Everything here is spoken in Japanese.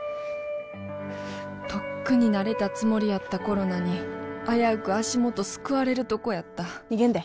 とっくに慣れたつもりやったコロナに危うく足元すくわれるとこやった逃げんで。